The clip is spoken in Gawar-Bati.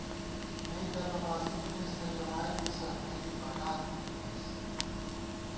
نئ تہ نمازی تھنَئیس تہ جمائید دِسہ نئ بی بڈال تُو تھنَئیس